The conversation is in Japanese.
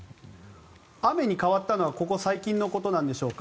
雨に変わったのはここ最近のことなんでしょうか？